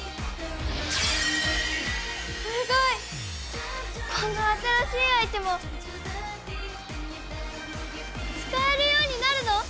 すごい！この新しいアイテムを使えるようになるの？